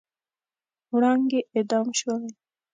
وړانګې اعدام شولې